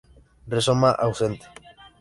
Rizoma ausente.